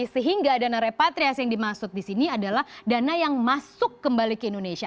sehingga dana repatriasi yang dimaksud di sini adalah dana yang masuk kembali ke indonesia